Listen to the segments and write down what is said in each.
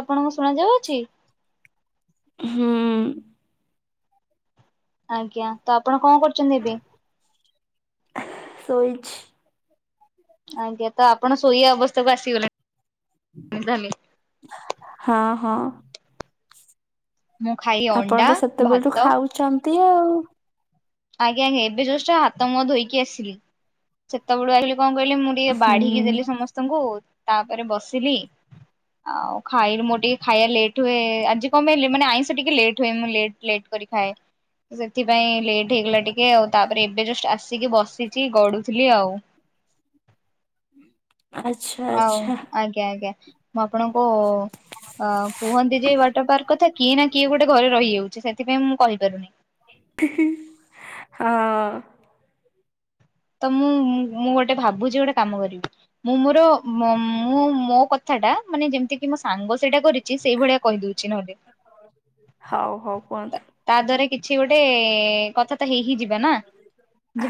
ଆପଣଙ୍କୁ ଶୁଣାଯାଉଅଛି? ହୁଁ। ଆଜ୍ଞା ତ ଆପଣ କଣ କରୁଛନ୍ତି ଏବେ? ଶୋଇଛି। ଆଜ୍ଞା ତ ଆପଣ ଶୋଇବା ଅବସ୍ଥାକୁ ଆସିଗଲେଣି ତାହାଲେ। ହଁ ହଁ। ମୁଁ ଖାଇ ଆପଣ ଅଣ୍ଡା ତ ସେତେବେଳଠୁ ଭାତ ଖାଉଛନ୍ତି ଆଉ। ଆଜ୍ଞା ଆଜ୍ଞା ଏବେଯଷ୍ଟ ହାତ ମୁହ ଧୋଇକି ଆସିଲି ସେତବେଳୁ ଆଇଲେ କଣ କହିଲେ ମୁଁ ଟିକେ ହୁଁ ବାଢିକି ଦେଲି ସମସ୍ତଙ୍କୁ ତାପରେ ବସିଲି। ଆଉ ଖାଇଲୁ ମୋର ଟିକେ ଖାଇବା ଲେଟ୍ ହୁଏ ଆଜି କଣ ପାଇଁ ମାନେ ଆଇଁଷ ଟିକେ ଲେଟ୍ ହୁଏ ମୁଁ ଲେଟ ଲେଟ୍ କରି ଖାଏ ସେଥିପାଇଁ ଲେଟ୍ ଠହେଇଗଲା ଟିକେ ଆଉ ତାପରେ ଏବେ ଜଷ୍ଟ ଆସିକି ବସିଛି ଗଡୁଥିଲି ଆଉ। ଆଚ୍ଛା। ହଉ ଆଚ୍ଛା ଆଜ୍ଞା ଆଜ୍ଞା। ମୁଁ ଆପଣଙ୍କୁ ଅ କୁହନ୍ତି ଯେ ୱାଟର ପାର୍କ କଥା କିଏ ନା କିଏ ଗୋଟେ ଘରେ ରହିଯାଉଛି ସେ ସେଥିପାଇଁ ମୁଁ କହିପାରୁନି। ହଁ। ତ ମୁଁ ମୁଁ ଗୋଟେ ଭାବୁଛି ଗୋଟେ କାମ କରିବି। ମୁଁ ମୋର ମୁଁ ମୋ କଥା ଟା ମାନେ ଯେମତି କି ମୋ ସାଙ୍ଗ ସେଇଟା କରିଛି ସେଇ ଭଳିଆ କହିଦଉଛି ନହେଲେ। ହଉ ହଉ କୁହନ୍ତୁ ତା ଦ୍ଵାରା କିଛି ଗୋଟେ କଥା ତ ହେଇ ହି ଯିବା ନା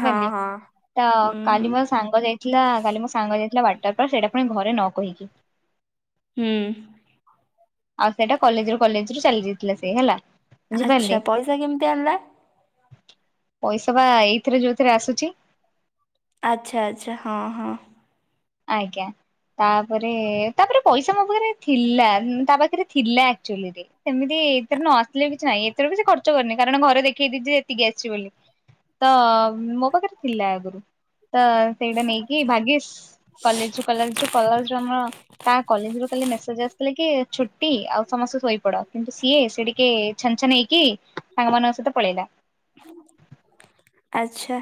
ହଁ ହଁ ତ ହୁଁ କାଲି ହୁଁ ମୋ ସାଙ୍ଗ ଯାଇଥିଲା କାଲି ମୋ ସାଙ୍ଗ ଯାଇଥିଲା ୱାଟର ପାର୍କ ସେଇଟା ପୁଣି ଘରେ ନ କହିକି। ହୁଁ। ଆଉ ସେଇଟା କଲେଜୁ କଲେଜ ରୁ ଚାଲି ଯାଇଥିଲା ସେ ହେଲା। ବୁଝିପାରିଲେ ଆଚ୍ଛା ପଇସା କେମିତି ଆଣିଲା? ପଇସା ବା ଏଇଥିରେ ଯୋଉଥିରେ ଆସୁଛି। ଆଚ୍ଛା ଆଚ୍ଛା ହଁ ହଁ। ଆଜ୍ଞା। ତାପରେ ତାପରେ ପଇସା ମୋ ପାଖରେ ଥିଲା ନା ତା ପାଖରେ ଥିଲା ଆଚୁଆଲିରେ। ସେମିତି ଏଥିରେ ନ ଆସିଲେ କିଛି ନାହିଁ ଏଥିର ବି ସେ ଖର୍ଚ୍ଚ କରିନି କାରଣ ଘରେ ଦେଖେଇ ଦେଇଛି ଯେ ଏତିକି ଆସିଛି ବୋଲି। ତ ମୋ ପାଖରେ ଥିଲା ଆଗରୁ ତ ସେଇଟା ନେଇକି ଭାଗିସ କଲେଜୁ କଲେଜ ରୁ କଲେଜୁ ଆମ ତା କଲେଜରୁୁ କାଲି ମେସେଜ ଆସିଥିଲା କି ଛୁଟି ଆଉ ସମସ୍ତେ ଶୋଇପଡ କିନ୍ତୁ ସିଏ ସେ ଟିକେ ଛନ୍ ଛନ ହେଇକି ସାଙ୍ଗମାନଙ୍କ ସହ ପଳେଇଲା। ଆଚ୍ଛା।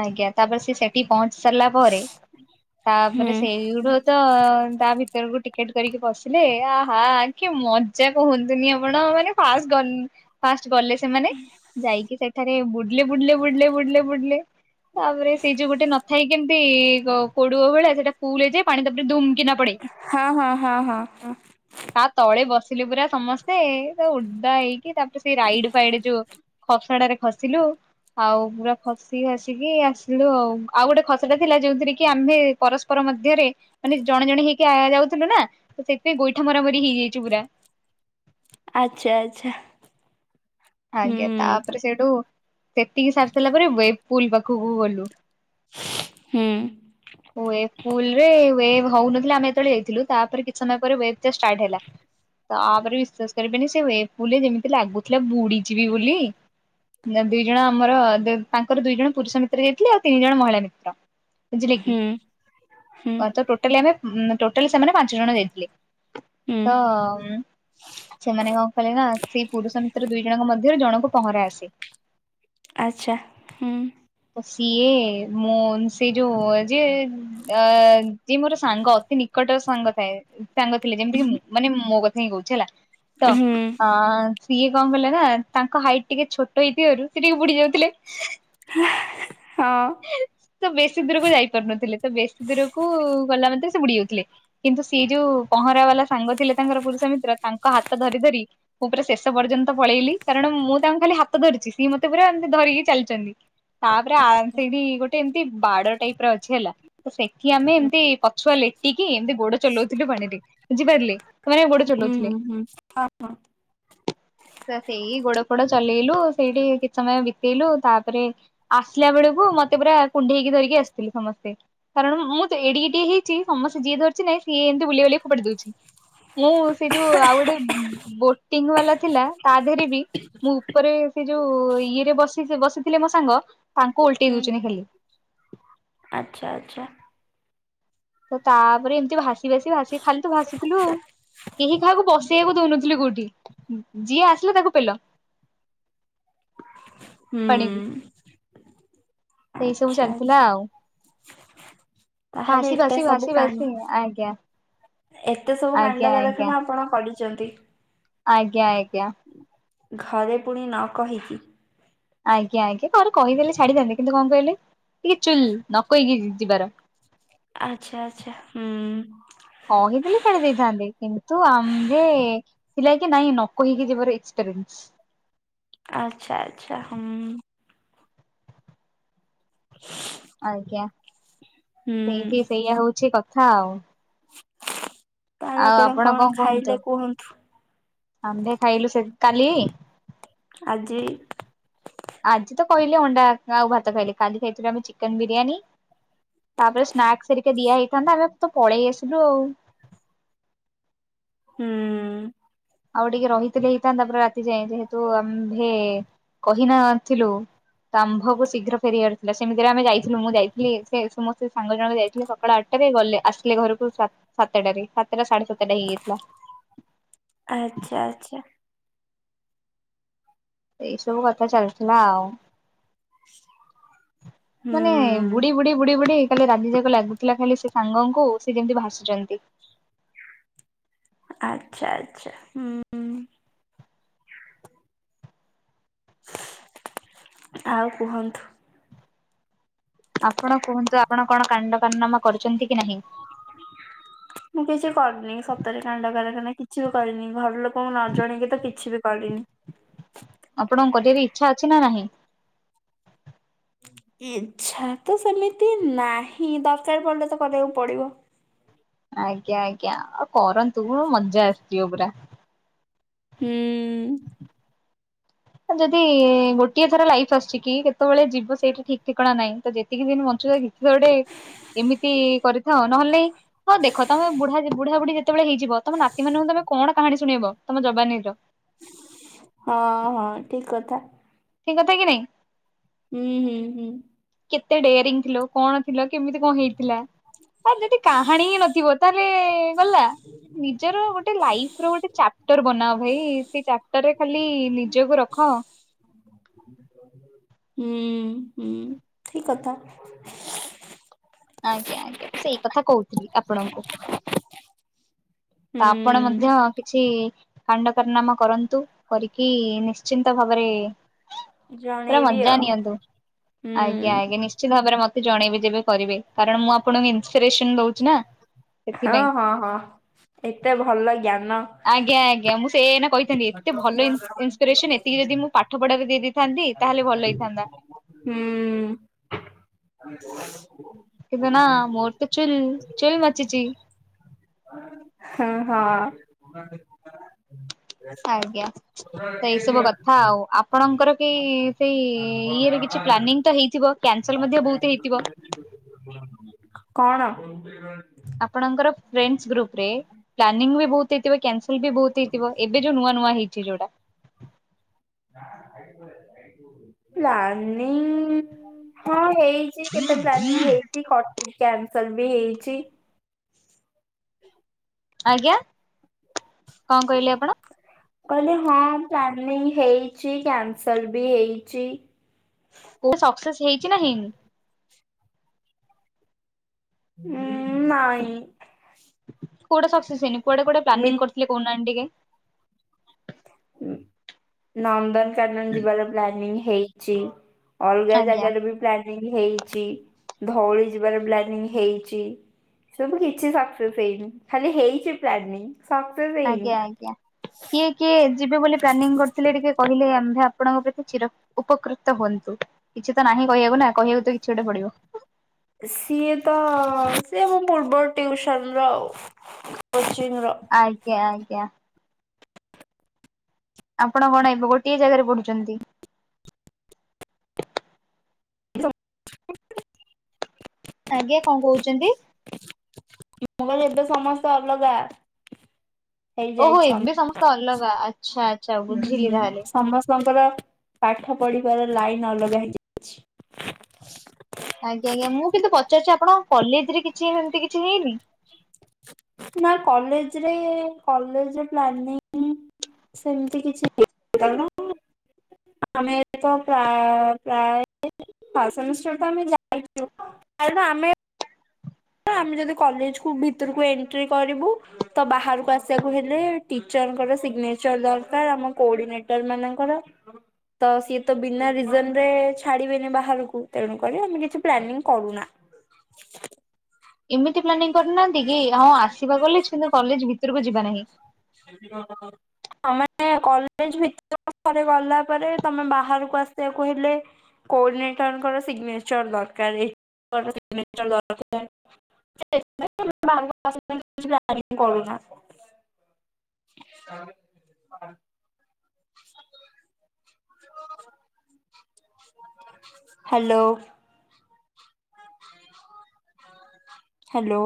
ଆଜ୍ଞା ତାପରେ ସେ ସେଠି ପହଞ୍ଚି ସାରିଲା ପରେ ହୁଁ ତାପରେ ସେଇଠୁ ତ ତା ଭିତରକୁ ଟିକେଟ କରିକି ପଶିଲେ ଆହା ଆ କିଏ ମଜା କୁହନ୍ତୁନି ଆପଣ ମାନେ ଫା ଗଲୁ ଫାଷ୍ଟ ଗଲେ ସେମାନେ ଯାଇକି ସେଠାରେ ବୁଡିଲେ ବୁଡିଲେ ବୁଡିଲେ ବୁଡିଲେ ବୁଡିଲେ ତାପରେ ସେଇ ଯୋଉ ଗୋଟେ ନଥାଇ କେମିତି କୋ କୋଡୁଅ ଭଳିଆ ସେଟା ଫୁଲ ହେଇଯାଏ ପାଣି ତାପରେ ଧୁମକିନା ହଁ ହଁ ହଁ ହଁ ହଁ। ତା ତଳେ ବସିଲେ ପୁରା ସମସ୍ତେ ତ ଓଦା ହେଇକି ତାପରେ ସେଇ ରାଇଡ ଫାଇଡ ଯୋଉ ଖସଡ଼ା ରେ ଖସିଲୁ ଆଉ ପୁରା ଖସି ଆସି ଆସିକି ଆସିଲୁ ଆଉ ଆଉ ଗୋଟେ ଖସଡ଼ା ଥିଲା ଯୋଉଥିରେ କି ଆମ୍ଭେ ପରସ୍ପର ମଧ୍ୟରେ ମାନେ ଜଣେ ଜଣେ ହେଇକି ଆ ଯାଉଥିଲୁ ନା ତ ସେଥିପାଇଁ ଗୋଇଠା ମରାମରି ହେଇଯାଇଛୁ ପୁରା ଆଚ୍ଛା ଆଚ୍ଛା। ହୁଁ ଆଜ୍ଞା ତାପରେ ସେଇଠୁ ସେତିକି ସାରି ସାରିଲା ପରେ ୱେଇଥ ପୁଲ୍ ପାଖକୁ ଗଲୁ। ହୁଁ। ହୁଏ ପୁଲରେ ୱେବ୍ ହଉନଥିଲା ଆମେ ଯେତେବେଳେ ଯାଇଥିଲୁ ତାପରେ କିଛି ସମୟ ପରେ ୱବ୍ ଷ୍ଟାଟ୍ ହେଲା। ତାପରେ ବିଶ୍ୱାସ କରିବେନି ସେ ୱେବ୍ ପୁଲ୍ ରେ ଯେମିତି ଲାଗୁଥିଲା ବୁଡିଯିବି ବୋଲି ନା ଦୁଇ ଜଣ ଆମର ଦେ ତାଙ୍କର ଡୁଇ ଜଣ ପୁରୁଷ ମିତ୍ର ଯାଇଥିଲେ ଆଉ ତିନି ଜଣ ମହିଳା ମିତ୍ର। ବୁଝିଲେ କି। ହୁଁ। ହୁଁ ଅ ତ ଟୋଟାଲି ଆମେ ଟୋଟାଲି ସେମାନେ ପାଞ୍ଚ ଜଣ ଯାଇଥିଲେ ହୁଁ ତ ସେମାନେ କଣ କଲେ ନା ସେଇ ପୁରୁଷ ମିତ୍ର ଦୁଇ ଜଣଙ୍କ ମଧ୍ୟରେ ଜଣଙ୍କୁ ପହଁରା ଆସେ [inaudible] ଆଚ୍ଛା ହୁଁ। ଓ ସିଏ ମୋନସ ସେ ଯୋ ଯିଏ ଅ ଯିଏ ମୋର ସାଙ୍ଗ ଅତି ନିକଟ ସାଙ୍ଗ ଥାଏ। ସାଙ୍ଗ ଥିଲେ ଯେମିତି କି ମାନେ ମୋ କଥା ହିଁ କହୁଛି ହେଲା ତ ହୁଁ ହଁ ସିଏ କଣ କଲେ ନା ତାଙ୍କ ହାଇଟ ଟିକେ ଛୋଟ ହେଇଥିବାରୁ ସେ ଟିକେ ବୁଡି ଯାଉଥିଲେ। ହଁ। ତ ବେଶୀ ଦୂରକୁ ଯାଇ ପାରୁନଥିଲେ ତ ବେଶୀ ଦୂରକୁ ଗଲା ମାତ୍ରେ ସେ ବୁଡି ଯାଉଥିଲେ କିନ୍ତୁ ସିଏ ଯୋଉ ପହଁରା ବାଲା ସାଙ୍ଗ ଥିଲେ ତାଙ୍କର ପୁରୁଷ ମିତ୍ର ତାଙ୍କ ହାତ ଧରି ଧରି ମୁଁ ପୁରା ଶେଷ ପର୍ଯ୍ୟନ୍ତ ପଳେଇଲି କାରଣ ମୁଁ ତାଙ୍କୁ ଖାଲି ହାତ ଧରିଛି ସିଏ ମତେ ପୁରା ଧରିକି ଚାଲିଛନ୍ତି। ତାପରେ ଆ ସେଠି ଗୋଟେ ଏମିତି ବାଡ ଟାଇପ ର ଅଛି ହେଲା। ତ ସେଠି ଆମେ ଏମିତି ପଛୁଆ ଲେଟିକି ଏମିତି ଗୋଡ ଚଲଉଥିଲୁ ପାଣିରେ ବୁଝିପାରିଲେ। ସେମାନେ ଗୋଡ ଚଲଉଥିଲେ। ହୁଁ ହୁଁ ହୁଁ ହଁ ହଁ ସେ ସେଇ ଗୋଡ ଫୋଡ ଚଲେଇଲୁ ସେଇଠି କିଛି ସମୟ ବିତେଇଲୁ ତାପରେ ଆସିଲା ବେଳକୁ ମତେ ପୁରା କୁଣ୍ଢେଇକି ଧରିକି ଆସିଥିଲେ ସମସ୍ତେ। କାରଣ ମୁଁ ତ ଏଡିିକିଟିଏ ହେଇଛି ସମସ୍ତେ ଯିଏ ଧରୁଛି ନାଇ ସିଏ ଏମିତି ବୁଲେଇ ବାଲି ଫୋପାଡି ଦଉଛି। ମୁଁ ସେ ଯୋଉ ଆଉ ଗୋଟେ ବୋ ଟିଗ୍ ବାଲା ଥିଲା ତା ଦିହରେ ବି ମୁଁ ଉପରେ ସେ ଯୋଉ ଇଏରେ ବସ୍ ବସିଥିଲେ ମୋ ସାଙ୍ଗ ତାଙ୍କୁ ଓଲଟେଇ ଦଉଛନ୍ତି ଖାଲି। ଆଛା ଆଚ୍ଛା। ତ ତାପରେ ଏମିତି ଭାଷ ବସି ବାସି ଭାସି ଖାଲି ତ ଭାସୁଥିଲୁ ଆଉ କେହି କାହାକୁ ବସେଇବାକୁ ଦଉନଥିଲୁ କୋଉଠି। ଯିଏ ଆସିଲା ତାକୁ ପେଲ। ହୁଁ ପାଣିକୁ ସେଇ ସବୁ ଆଚ୍ଛା ଚାଲିଥିଲା ଆଚ୍ଛା ଆଉ। ତାହେଲେ ଭାସି ଏତେ ଭାସି ସବୁ ଭାସି କାଣ୍ଡ ଭାସି ଆଞା। ଏତେ ସବୁ କାଣ୍ଡ କାରଖାନା ଆପଣ କରିଚନ୍ତି। ଆଜ୍ଞା ଆଜ୍ଞା। ଘରେ ପୁଣି ନ କହିକି। ଆଜ୍ଞା ଆଜ୍ଞା ଘରେ କହିଦେଲେ ଛାଡିଥାନ୍ତେ କିନ୍ତୁ କଣ କହିଲେ ଟିକେ ଚୁଲ ନ କହିକି ଜି ଯିବାର। ଆଛା ଆଚ୍ଛା ହୁଁ। କହିଥିଲେ ଛାଡ଼ି ଦେଇଥାନ୍ତେ କିନ୍ତୁ ଆମ୍ଭେ ଥିଲା କି ନାଇଁ ନ କହିକି ଯିବାର ଏକ୍ସପେରିଏନ୍ସ। ଆଛା ଆଚ୍ଛା ହୁଁ। [inaudible] ଆଜ୍ଞା ହୁଁ ସେଇଠି ସେଇଆ ହଉଛି କଥା ଆଉ। ତାହେଲେ ଆପଣ କଣ ଖାଇଲେ କୁହନ୍ତୁ। ଆମ୍ଭେ ଖାଇଲୁ ସେ କାଲି ଆଜି ଆଜି ତ କହିଲେ ଅଣ୍ଡା ଆଉ ଭାତ ଖାଇଲି କାଲି ଖାଇଥିଲୁ ଆମେ ଚିକେନ ବିରିୟାନୀ। ତାପରେ ସ୍ନାକ୍ସ ହେରିକା ଦିଆ ହେଇଥାନ୍ତା ଆମେ ତ ପଳେଇ ଆସିଲୁ ଆଉ। ହୁଁ। ଆଉ ଟିକେ ରହିଥିଲେ ହେଇଥାନ୍ତା ପୁରା ରାତି ଯାଏ ଯେହେତୁ ଆମ୍ଭେ କହି ନଥିଲୁ ତ ଆମ୍ଭକୁୁ ଶୀଘ୍ର ଫେରିବାର ଥିଲା ସେମିତିରେ ଆମେ ଯାଇଥିଲୁ ମୁଁ ଯାଇଥିଲି ଏସେ ସମସ୍ତେ ସାଙ୍ଗ ଜଣ ବି ଯାଇଥିଲେ ସକାଳ ଆଠ ତଥାପି ଗଲେ ଆସିଲେ ଘରକୁ ସାତଟାରେ ସାତଟା ସାଢେ ସାତଟା ହେଇଯାଇଥିଲା। ଆଜ୍ଞା ଆଜ୍ଞା। ଏଇ ସବୁ କଥା ଚାଲିଥିଲା ଆଉ। ସେମାନେ ହୁଁ ବୁଡି ବୁଡି ବୁଡି ବୁଡି କାଲି ରାଗିଯାକ ଲାଗୁଥିଲା ଖାଲି ସେ ସାଙ୍ଗଙ୍କୁ ସେ ଯେମିତି ଭାୁସୁଛନ୍ତି। ଆଚ୍ଛା ଆଚ୍ଛା ହୁଁ। ଆଉ କୁହନ୍ତୁ। ଆପଣ କୁହନ୍ତୁ ଆପଣ କଣ କାଣ୍ଡ କରନାମା କରିଚନ୍ତି କି ନାହିଁ। ମୁଁ କିଛି କରିନି ସତରେ କାଣ୍ଡ କାରଖାନା କିଛି ବି କରିନି ଘର ଲୋକଙ୍କୁ ନ ଜଣେଇକି ତ କିଛି ବି କରିନି। ଆପଣଙ୍କୁ କରିବାକୁ ଇଚ୍ଛା ଅଛି ନା ନାହିଁ। ଇଚ୍ଛା ତ ସେମିତି ନାହିଁ ଦରକାର ପଡ଼ିଲେ ତ କରିବାକୁ ପଡ଼ିବ। ଆଜ୍ଞା ଆଜ୍ଞା ଆଉ କରନ୍ତୁ ମଜା ଆସିଯିବ ପୁରା। ହୁଁ। ଯଦି ଗୋଟିଏ ଥର ଲାଇଫ୍ ଆସୁଛି କି କେତେବେଳେ ଯିବ ସେଇଟା ଠିକ ଠିକଣା ନାହିଁ ତ ଜେତ ଯେତିକି ଦିନ ବଞ୍ଚୁଛ କିଛିତ ଗୋଟେ ଏମିତି କରିଥାଅ ନହେଲେ ନାଇଁ ହଁ ଦେଖ ତମେ ବୁଢା ବୁଢା ବୁଢୀ ଯେତେବେଳେ ହେଇଯିବ ତମ ନାତି ମାନଙ୍କୁ ତମେ କଣ କାହାଣୀ ଶୁଣେଇବ ତମ ଯବାନୀ ର ହଁ ହଁ ଠିକ କଥା। ଠିକ କଥା କି ନାଇଁ? ହୁଁ ହୁଁ ହୁଁ। କେତେ ଡେୟାରିଂ ଥିଲ କଣ ଥିଲ କେମିତି କଣ ହେଇଥିଲା ଆ ଯଦି କାହାଣୀ ହିଁ ନଥିବ ତାହେଲେ ଗଲା ନିଜର ଗୋଟେ ଲାଇଫ୍ ର ଗୋଟେ ଚାପ୍ଟର ବନାଅ ଭାଇ ସେ ଚାପ୍ଟରରେ ଖାଲି ନିଜକୁ ରଖ। ହୁଁ ହୁଁ ଠିକ୍ କଥା। ଆଜ୍ଞା ଆଜ୍ଞା ମୁଁ ସେଇ କଥା କହୁଥିଲି ଆପଣଙ୍କୁ। ତ ଆପଣ ହୁଁ। ମଧ୍ୟ କିଛି କାଣ୍ଡ କାର୍ନାମା କରନ୍ତୁ କରିକି ନିଶ୍ଚିନ୍ତ ଭାବରେ ପୁରା ଜଣେଇବି ମଜ୍ଜା ଆଉ ନିଅନ୍ତୁ ହୁଁ ଆଜ୍ଞ ଆଜ୍ଞା ନିଶ୍ ଚିନ୍ତ ଭାବରେ ମତେ ଜଣେଇବେ ଯେବେ କରିବେ କାରଣ ମୁଁ ଆପଣଙ୍କୁ ଇନସ୍ପିରେସନ ଦୋଉଛି ନା ହଁ ସେଥିପାଇଁ। ହଁ ହଁ। ଏତେ ଭଲ ଜ୍ଞାନ। ଆଜ୍ଞା ଆଜ୍ଞା ମୁଁ ସେଇଆ ଏଇନା କହିଥାନ୍ତି ଏତେ ଭଲ ଇନ୍ ଇନସ୍ପିରେସନ୍ ଏତିକି ଯଦି ମୁଁ ପାଠ ପଢା଼ରେ ଦେଇ ଦେଇ ଥାନ୍ତି ତାହେଲେ ଭଲ ହେଇଥାନ୍ତା। ହୁଁ। କିଦ୍ ନା ମୋର ତ ଚୁଲ୍ ଚୁଲ୍ ବାଚୁଚି। ହଁ ହଁ। ଆଜ୍ଞା ତ ଏଇ ସବୁ କଥା ଆଉ ଆପଣଙ୍କର କି ସେଇ ଇଏରେ କିଛି ପ୍ଲାନିଂ ତ ହେଇଥିବ କ୍ୟାନ୍ ସେଲ୍ ମଧ୍ୟ ବୋହୁତ୍ ହେଇଥିବ। କଣ? ଆପଣଙ୍କର ଫ୍ରେଣ୍ଡସ୍ ଗ୍ରୁପ୍ ରେ ପ୍ଲାନିଂ ବି ବୋହୁତ୍ ହେଇଥିବ କ୍ୟାନ୍ ସେଲ୍ ବି ବୋହୁତ୍ ହେଇଥିବ ଏବେ ଯୋଉ ନୂଆ ନୂଆ ହେଇଛି ଯୋଉଟା। ପ୍ଲାନିଂ ହଁ ହେଇ ଛି କେତେ ପ୍ଲାନିଂ ହେଇକି କଟି କ୍ୟାନ୍ ସେଲ୍ ବି ହେଇଚି। ଆଜ୍ଞା କଣ କହିଲେ ଆପଣ? କହିଲି ହଁ ପ୍ଲାନିଂ ହେଇଛି କ୍ୟାନ୍ ସେଲ୍ ବି ହେଇଛି। କୋଉଟା ସକ୍ସେସ୍ ହେଇଛି ନା ହେଇନି? ଉଁ ନାଇଁ। କୋଉଟା ସକ୍ସେସ୍ ହେଇନି କୁଆଡ଼େ କୁଆଡ଼େ ମି ପ୍ଲାନିଂ କରୁଥିଲେ କଉ ନାହାନ୍ତି ଟିକେ? ନନ୍ଦନକାନନ ଯିବାର ପ୍ଲାନିଂ ହେଇଛି। ଅଲଗା ଆଜ୍ଞା ଜାଗାରେ ବି ପ୍ଲାନିଂ ହେଇଚି ଧଉଳି ଯିବାର ପ୍ଲାନିଙ୍ଗ୍ ହେଇଚି। ସବୁ କିଛି ସକ୍ସେସ୍ ହେଇନି ଖାଲି ହେଇଛି ପ୍ଲାନିଙ୍ଗ୍। ସକ୍ସେସ୍ ଆଜ୍ଞା ଆଜ୍ଞା କିଏ କିଏ ଯିବେ ବୋଲି ପ୍ଲାନିଂ କରିଥିଲେ ଟିକେ କହିଲେ ଆମ୍ଭେ ଆ ପଣଙ୍କ ପ୍ରତି ଚିର ଉପକୃତ ହୁଅନ୍ତୁ କିଛି ତ ନାହିଁ କହିବାକୁ ନା କହିବାକୁ ତ କିଛି ଗୋଟେ ପଡ଼ିବ। ସିଏ ତ ସିଏ ଆମ ପୂର୍ବ ଟିଉସନ୍ ର ଆଉ କୋଚିଂ ର। ଆଜ୍ଞା ଆଜ୍ଞା। ଆପଣ କଣ ଏବେ ଗୋଟିଏ ଜାଗାରେ ପଢ଼ୁଛନ୍ତି? ଆଜ୍ଞା କଣ କହୁଛନ୍ତି? ମୁଁ କହିଲି ଏବେ ସମସ୍ତେ ଅଲଗା। ଓହୋ ଏବେ ହେଇଯାଇଛନ୍ତି ସମସ୍ତେ ଅଲଗା ଆଚ୍ଛା ଆଚ୍ଛା ହୁଁ ବୁଝିଲି ହୁଁ ତାହେଲେ। ସମସ୍ତଙ୍କର ପାଠ ପଢ଼ିବାର ଲାଇନ୍ ଅଲଗା ହେଇ ଯା ଆଜ୍ଞା ଆଜ୍ଞା ମୁଁ କିନ୍ତୁ ପଚାରୁଛି ଆପଣଙ୍କ କଲେଜରେ କିଛି ହେମ୍ ତି କିଛି ହେଇନି? ନା କଲେଜରେ କଲେଜ ପ୍ଲାନିଂ ସେମିତି କିଛି ହେଇନି କାରଣ ଆମେ ତ ପ୍ରାୟ ପ୍ରାୟ ଫାସ୍ ସେମିଷ୍ଟାର୍ ଟା ଆମେ ଯାଇଥିଲୁ କାରଣ ଆମେ ଆମେ ଯଦି କଲେଜ କୁ ଭିତରକୁ ଏଣ୍ଟ୍ରି କରିବୁ ତ ବାହାରକୁ ଆସିବାକୁ ହେଲେ ଟିଚରଙ୍କର ସିଗ୍ନେଚର ଦରକାର ଆମ କୋଡ଼ି ନେଟର ମାନଙ୍କର। ତ ସିଏ ତ ବିନା ରିଜନ୍ ରେ ଛାଡ଼ିବେନି ବାହାରକୁ ତେଣୁ କରି ଆମେ କିଛି ପ୍ଲାନିଂ କରୁନା। ଏମିତି ପ୍ଲାନିଂ କରିନାହାନ୍ତି କି ହଁ ଆସିବା କଲେଜ୍ କିନ୍ତୁ କଲେଜ୍ ଭିତରକୁ ଯିବା ନାହିଁ। ଓ ଆମେ ତ କଲେଜ୍ ଭିତରକୁ ଥରେ ଗଲା ପରେ ତୋମେ ବାହାରକୁ ଆସିବାକୁ ହେଲେ କୋଡିନେଟର୍ ଙ୍କର ସିଗନେଚର୍ ଦରକାର ଏ [inaudible] ସିଗନେଚର୍ ଦରକାର। [inaudible] ବାହାରକୁ [inaudible] କରୁନା। ହଁ। [inaudible] ହାଲୋ। ହ୍ୟାଲୋ।